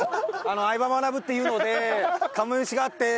『相葉マナブ』っていうので釜飯があって。